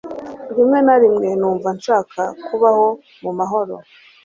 Rimwe na rimwe numva nshaka kubaho mu mahoro.